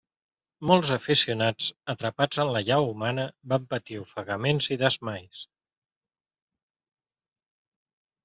Molts aficionats, atrapats en l'allau humana, van patir ofegaments i desmais.